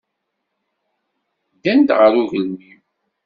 Ddant ɣer ugelmim.